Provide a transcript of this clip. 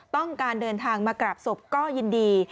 ต้องการเดินทางมากราบศพก็ยินดี